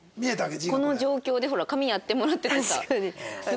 この状況でほら髪やってもらっててさ。